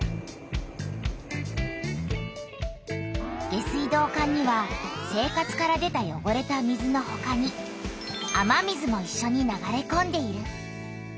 下水道管には生活から出たよごれた水のほかに雨水もいっしょに流れこんでいる。